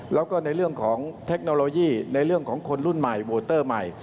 แล้วก็ในเรื่องของเทคโนโลยีในเรื่องของคนรุ่นใหม่โวเตอร์ใหม่